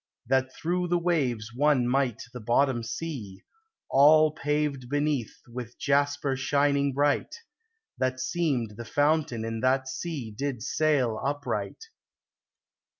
That through the waves one might the bottom see, All paved beneath with iaspar shining bright, That seemd the fountaine in that sea did sayle up right.